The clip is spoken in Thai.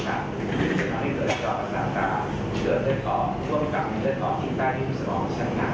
ไม่ค่อยจะเข้ากับเหลือผ่านตกเตียง